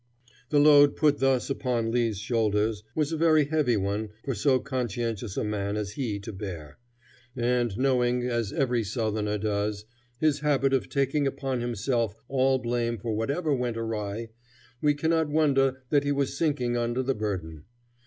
The load put thus upon Lee's shoulders was a very heavy one for so conscientious a man as he to bear; and knowing, as every Southerner does, his habit of taking upon himself all blame for whatever went awry, we cannot wonder that he was sinking under the burden.